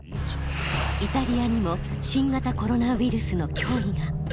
イタリアにも新型コロナウイルスの脅威が。